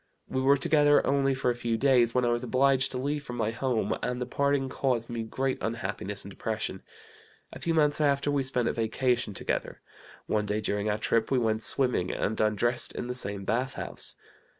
"We were together only for a few days, when I was obliged to leave for my home, and the parting caused me great unhappiness and depression. A few months after we spent a vacation together. One day during our trip we went swimming, and undressed in the same bathhouse.